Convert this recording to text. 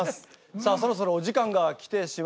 さあそろそろお時間が来てしまいました。